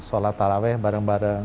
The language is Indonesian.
sholat talaweh bareng bareng